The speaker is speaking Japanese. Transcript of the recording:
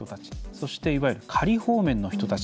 そして、いわゆる仮放免の人たち。